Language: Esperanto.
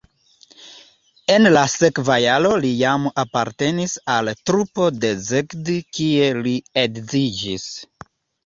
En la sekva jaro li jam apartenis al trupo de Szeged, kie li edziĝis.